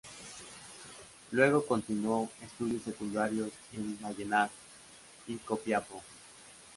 Luego continuó estudios secundarios en Vallenar y Copiapó.